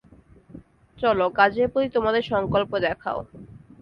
চলো, কাজের প্রতি তোমাদের সংকল্প দেখাও।